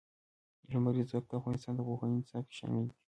لمریز ځواک د افغانستان د پوهنې نصاب کې شامل دي.